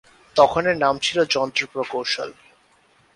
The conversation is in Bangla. তখন এর নাম ছিল যন্ত্র প্রকৌশল।